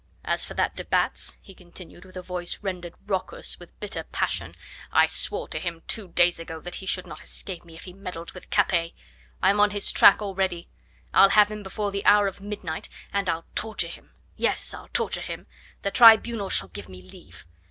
As for that de Batz," he continued with a voice rendered raucous with bitter passion, "I swore to him two days ago that he should not escape me if he meddled with Capet. I'm on his track already. I'll have him before the hour of midnight, and I'll torture him yes! I'll torture him the Tribunal shall give me leave.